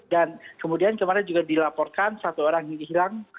dan kemudian kemarin juga dilaporkan satu orang yang hilang